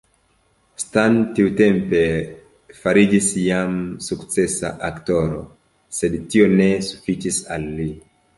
Stan tiutempe fariĝis jam sukcesa aktoro, sed tio ne sufiĉis al li.